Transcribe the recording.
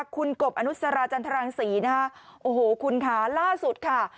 คุณกบอนุสราจันทรังศรีนะคะโอ้โหคุณค่ะล่าสุดค่ะ